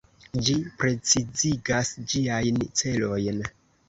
Ĝi precizigas ĝiajn celojn.